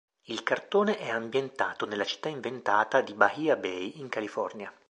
Il cartone è ambientato nella città inventata di Bahia Bay in California.